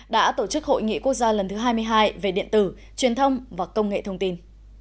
đã tổ chức hội nghị quốc gia lần thứ hai mươi hai về điện tử truyền thông và công nghệ thông tin